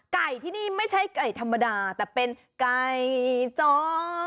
ไก่ที่นี่ไม่ใช่ไก่ธรรมดาแต่เป็นไก่จอ